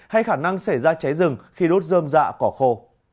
hay khả năng xảy ra cháy rừng khi đốt dơm dạ cỏ khô